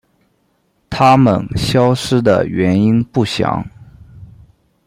它们消失的原因不详。